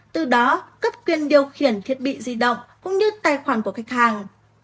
từ đó cấp quyền điều khiển thiết bị di động cũng như tài khoản của khách hàng